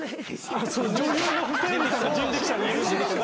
女優のふせえりさんが人力舎にいるんですが。